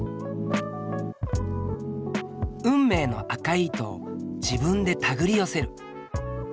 運命の赤い糸を自分でたぐり寄せる。